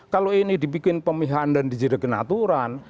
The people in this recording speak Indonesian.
kalau ini dibikin pemihan dan dijadikan aturan